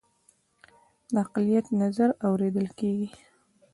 د اقلیت نظر اوریدل کیږي